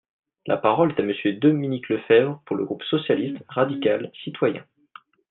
La parole est à Monsieur Dominique Lefebvre, pour le groupe socialiste, radical, citoyen.